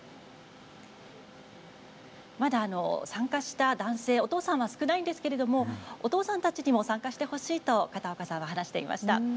まだ参加した男性、お父さんは少ないんですけれどお父さんたちにも参加してほしいと片岡さんは話していました。